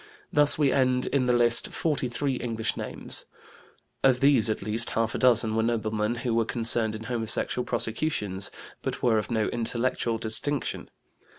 Thus we end in the list 43 English names; of these at least half a dozen were noblemen who were concerned in homosexual prosecutions, but were of no intellectual distinction.